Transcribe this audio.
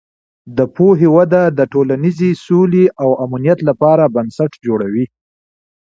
د پوهې وده د ټولنیزې سولې او امنیت لپاره بنسټ جوړوي.